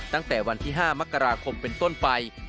ตั้งแต่วันที่๕มกราคมเป็นต้นไป